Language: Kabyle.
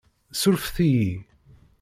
Ssurefet-iyi.